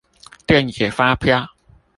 電子發票